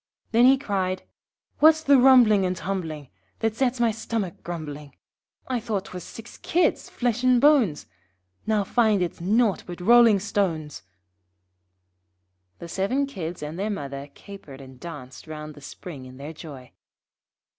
Then he cried 'What's the rumbling and tumbling That sets my stomach grumbling? I thought 'twas six Kids, flesh and bones, Now find it's nought but rolling stones.' [Illustration: {The Seven Kids and their mother capered and danced round the spring in their joy.